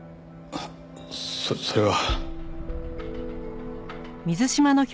そそれは。